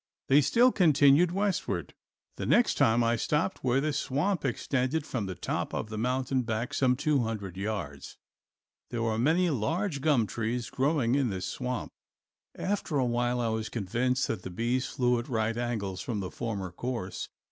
They still continued westward. The next time I stopped where a swamp extended from the top of the mountain back some two hundred yards. There were many large gum trees growing in this swamp. After a while I was convinced that the bees flew at right angles from the former course.